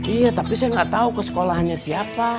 iya tapi saya gak tau ke sekolahnya siapa